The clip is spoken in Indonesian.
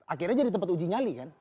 akhirnya jadi tempat uji nyali kan